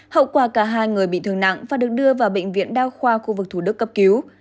hậu quả cả hai người bị thương nặng phải được đưa vào bệnh viện đa khoa khu vực thủ đức cấp cứu